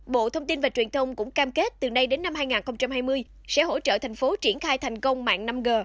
bộ thông tin và truyền thông cũng cam kết từ nay đến năm hai nghìn hai mươi sẽ hỗ trợ thành phố triển khai thành công mạng năm g